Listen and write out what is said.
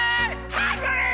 ハングリー！